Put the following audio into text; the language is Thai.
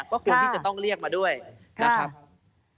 ก็ควรที่จะต้องเรียกมาด้วยนะครับ